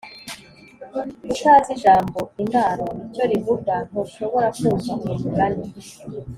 utazi ijambo “indaro” icyo rivuga ntushobora kumva uwo mugani